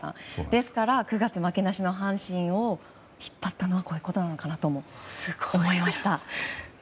ですから、９月負けなしの阪神を引っ張ったのはこういうことかなと思いました。